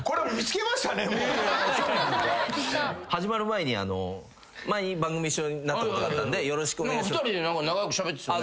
前に番組一緒になったことがあったんでよろしくお願いします。